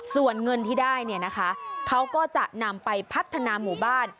ส่วนเงินที่ได้เนี่ยนะคะเขาก็จะนำไปพัฒนาหมู่บ้าน